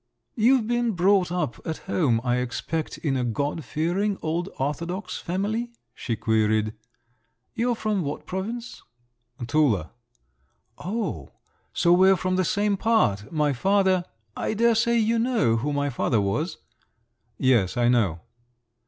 "You've been brought up at home, I expect, in a God fearing, old orthodox family?" she queried. "You're from what province?" "Tula." "Oh! so we're from the same part. My father … I daresay you know who my father was?" "Yes, I know."